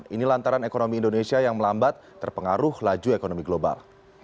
ini lantaran ekonomi indonesia yang melambat terpengaruh laju ekonomi global